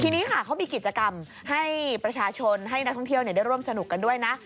ทีนี้ค่ะเขามีกิจกรรมให้ประชาชนให้นักท่องเที่ยวได้ร่วมสนุกกันด้วยนะ